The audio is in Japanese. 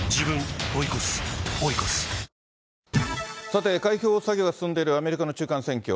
さて、開票作業が進んでいるアメリカの中間選挙。